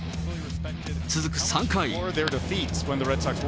続く３回。